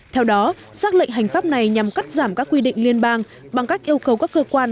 theo đó xác lệnh hành pháp này nhằm cắt giảm các quy định liên bang bằng cách yêu cầu các cơ quan